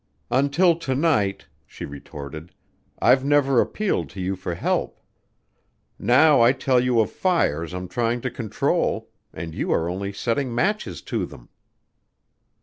"Until to night," she retorted, "I've never appealed to you for help. Now I tell you of fires I'm trying to control and you are only setting matches to them."